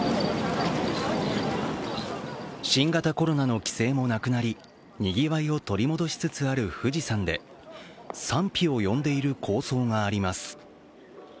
新型コロナの規制もなくなり、にぎわいを取り戻しつつある富士山で賛否を呼んでいる構想があります。